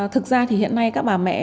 thực ra thì hiện nay các bà mẹ